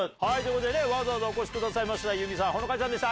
わざわざお越しくださいました佑美さん帆夏ちゃんでした。